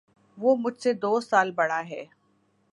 وہ مجھ سے دو سال بڑا ہے